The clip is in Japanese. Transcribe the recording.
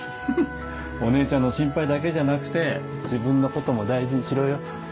お姉ちゃんの心配だけじゃなくて自分のことも大事にしろよ。